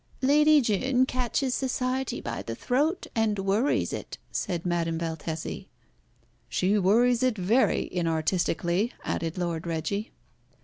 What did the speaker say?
"Lady Jeune catches society by the throat and worries it," said Madame Valtesi. "She worries it very inartistically," added Lord Reggie.